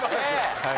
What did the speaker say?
はい。